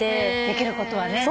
できることはね。